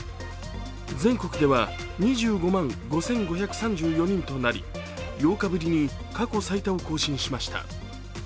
全国では２５万５５３４人となり８日ぶりに過去最多を更新しました